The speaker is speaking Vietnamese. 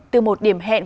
từ một điểm hẹn